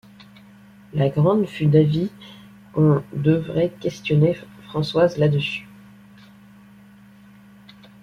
La Grande fut d’avis qu’on devait questionner Françoise là-dessus.